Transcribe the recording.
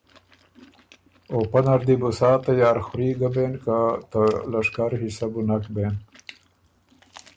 او پۀ نر دی بو سا تیارخوري ګه بېن که ته لشکر حصه بو نک بېن